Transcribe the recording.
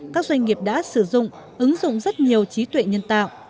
các doanh nghiệp đã sử dụng ứng dụng rất nhiều trí tuệ nhân tạo